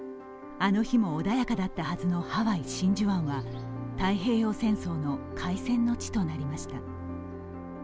あの日も穏やかだったはずのハワイ・真珠湾は太平洋戦争の開戦の地となりました。